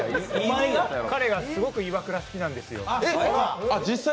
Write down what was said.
彼がすごくイワクラ好きなんですよ。